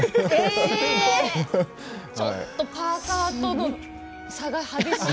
ちょっとパーカーとの差が激しい。